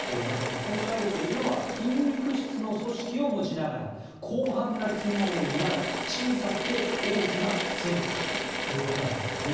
求められているのは筋肉質の組織を持ちながら広範な機能を担う小さくて大きな政府ということだったんです。